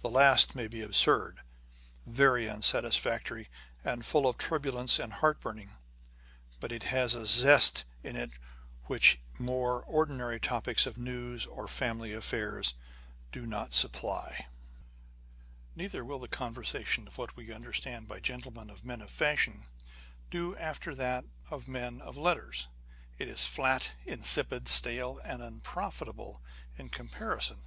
The last may be absurd, very unsatisfactory, and full of turbulence and heartburnings ; but it has a zest in it which more ordinary topics of news or family affairs do not supply. Neither will the conversation of what we understand by gentlemen and men of fashion, do after that of men of letters. It is flat, insipid, stale, and unprofitable, in the comparison.